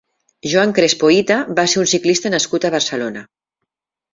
Joan Crespo Hita va ser un ciclista nascut a Barcelona.